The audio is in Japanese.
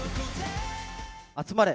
集まれ！